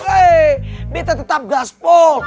eh beta tetap gaspol